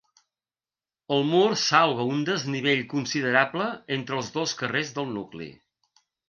El mur salva un desnivell considerable entre els dos carrers del nucli.